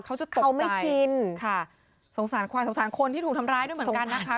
เขาจะตกใจสงสารควายสงสารคนที่ถูกทำร้ายด้วยเหมือนกันนะคะสงสารทุกฝ่าย